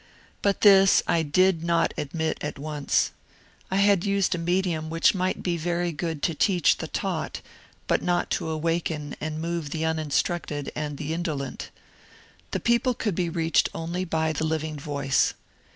But this I did not admit at once. I had used a medium which might be very good to teach the taught, but not to awaken and move the uninstructed and the indolent. The people could be reached only by the living voice.